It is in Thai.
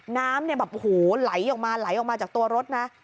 น้ำแบบหูไหลออกมาไหลออกมาจากตัวรถนะ